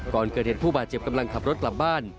ก่อนเกิดเหตุผู้บาดเจ็บกำลังขับรถกลับบ้าน